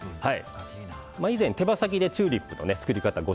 以前、手羽先でチューリップの作り方を